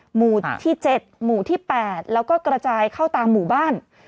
หมู่ที่๗หมู่ที่๘แล้วก็กระจายเข้าตามหมู่บ้าน